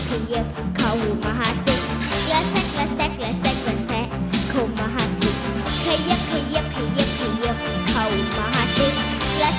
เข้ามาหาเสธ